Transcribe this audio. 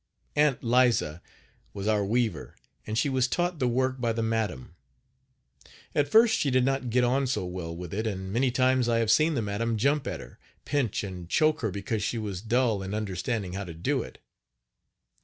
Aunt Liza was our weaver and she was taught the work by the madam. At first she did not get on so well with it and many times I have seen the madam jump at her, pinch and choke her because she was dull in understanding how to do it.